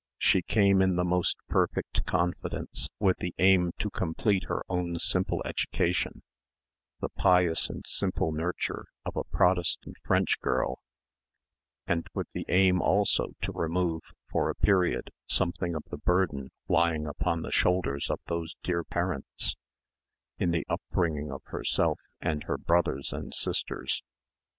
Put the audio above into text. She came in the most perfect confidence with the aim to complete her own simple education, the pious and simple nurture of a Protestant French girl, and with the aim also to remove for a period something of the burden lying upon the shoulders of those dear parents in the upbringing of herself and her brothers and sisters."